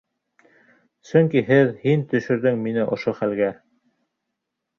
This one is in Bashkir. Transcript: Сөнки һеҙ, һин төшөрҙөң мине ошо хәлгә.